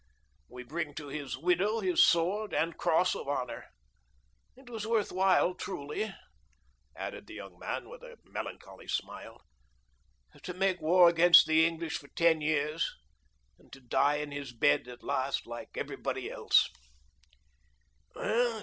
We bring to his widow his sword and cross of honor. It was worth while, truly," added the young man with a melancholy smile, "to make war against the English for ten years, and to die in his bed at last, like everybody else."